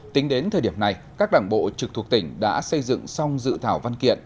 tính đến thời điểm này các đảng bộ trực thuộc tỉnh đã xây dựng xong dự thảo văn kiện